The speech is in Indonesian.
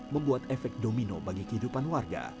membuat efek domino bagi kehidupan warga